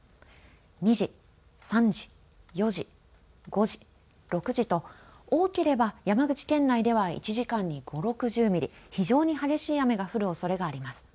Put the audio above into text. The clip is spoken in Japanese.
２時、３時、４時、５時６時と、多ければ山口県内では１時間に５、６０ミリ非常に激しい雨が降るおそれがあります。